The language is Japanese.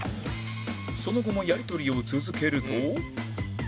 その後もやり取りを続けると